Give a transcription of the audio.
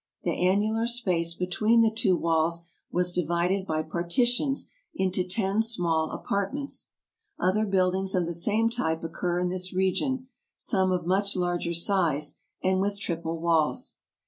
The annular space between the two walls was divided by partitions into ten small apartments. Other buildings of the same type occur in this region, some of much larger size and with triple walls.